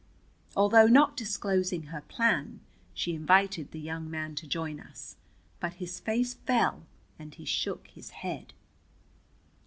Although not disclosing her plan, she invited the young man to join us. But his face fell and he shook his head.